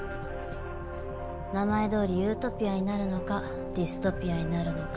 名前どおりユートピアになるのかディストピアになるのか。